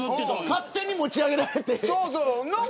勝手にもち上げられて。